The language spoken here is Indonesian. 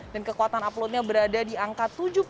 dan kekuatan uploadnya berada di angka tujuh puluh lima tiga